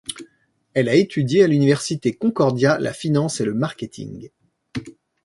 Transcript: Elle a étudié à l'Université Concordia la finance et le marketing.